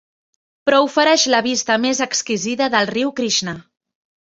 Però ofereix la vista més exquisida del riu Krishna.